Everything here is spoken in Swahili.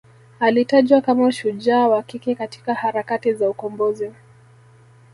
alitajwa kama shujaa wa kike katika harakati za ukombozi